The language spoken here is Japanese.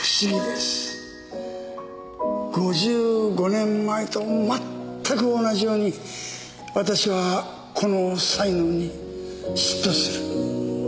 ５５年前とまったく同じように私はこの才能に嫉妬する。